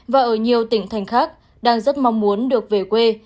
và ở nhiều tỉnh thành khác đang rất mong muốn được về quê